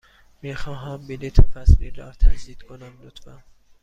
می خواهم بلیط فصلی را تجدید کنم، لطفاً.